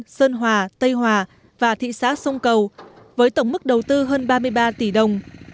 cầu được xây dựng tại các huyện tân hòa tây hòa và thị xá sông cầu với tổng mức đầu tư hơn ba mươi ba tỷ đồng